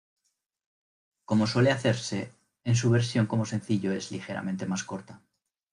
Como suele hacerse, en su versión como sencillo es ligeramente más corta.